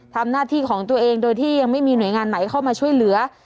ทำหน้าที่ของตัวเองโดยที่ยังไม่มีหน่วยงานไหนเข้ามาช่วยเหลือ